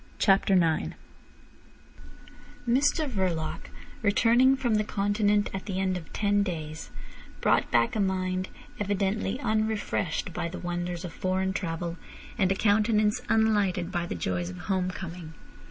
CHAPTER IX Mr Verloc returning from the Continent at the end of ten days, brought back a mind evidently unrefreshed by the wonders of foreign travel and a countenance unlighted by the joys of home coming.